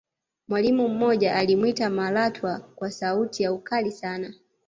mwalimu mmoja alimwita malatwa kwa sauti ya ukali sana